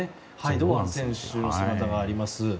堂安選手の姿があります。